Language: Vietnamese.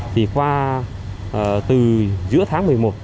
thì qua từ giữa tháng một mươi một